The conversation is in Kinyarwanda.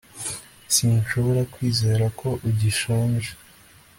Sinshobora kwizera ko ugishonje